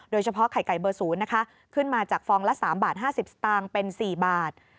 โดยเฉพาะไข่ไก่เบอร์ศูนย์นะคะขึ้นมาจากฟองละสามบาทห้าสิบสตางค์เป็นสี่บาท